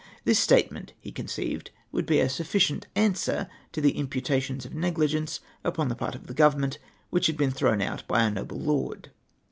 This statement, he conceived, would be a sufhcient answer to the imputati(jns of negligence upon the part of the Government which had been thrown out by a noble lord.